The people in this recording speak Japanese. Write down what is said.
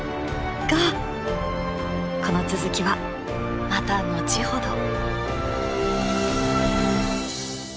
がこの続きはまた後ほど！